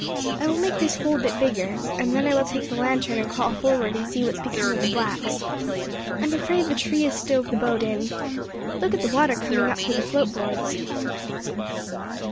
I will make this hole a bit bigger, and then I will take the lantern and crawl forward and see what has become of the blacks. I am afraid the tree has stove the boat in: look at the water coming up through the float boards."